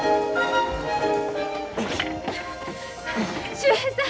秀平さん。